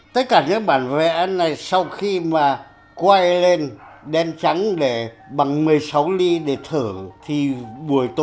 tất cả những bản vẽ này sau khi mà quay lên đen trắng để bằng một mươi sáu ly để thử